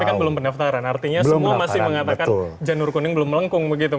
ini kan belum pendaftaran artinya semua masih mengatakan janur kuning belum melengkung begitu